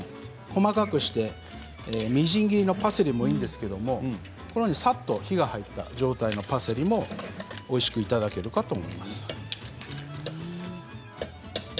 細かくしたみじん切りのパセリでもいいんですがさっと火が入った状態のパセリもおいしくいただけると思います。